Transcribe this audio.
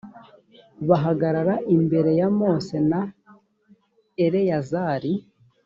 bahagarara imbere ya mose na eleyazari